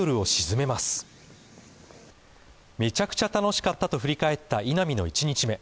めちゃくちゃ楽しかったと振り返った稲見の１日目。